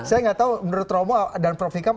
saya nggak tahu menurut romo dan prof ikam